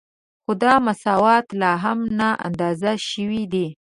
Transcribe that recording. خو دا مساوات لا هم نااندازه شوی دی